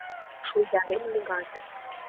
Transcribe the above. Шуйдарен мурат: